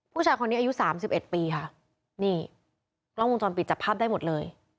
ผู้ชายคนนี้อายุ๓๑ปีค่ะนี่ร่องวงจรปิดจับภาพได้หมดเลย